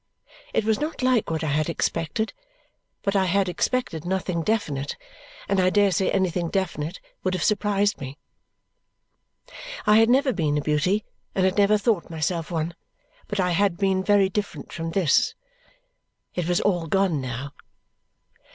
It was not like what I had expected, but I had expected nothing definite, and I dare say anything definite would have surprised me. I had never been a beauty and had never thought myself one, but I had been very different from this. It was all gone now.